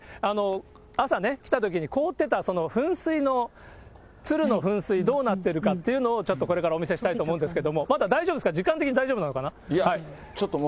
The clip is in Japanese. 朝ね、来たときに凍ってた噴水の、つるの噴水、どうなってるかっていうのを、ちょっとこれからお見せしたいと思うんですけど、まだ大丈夫ですか、いや、ちょっともう。